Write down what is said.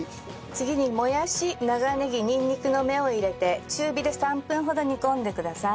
次にもやし長ネギにんにくの芽を入れて中火で３分ほど煮込んでください。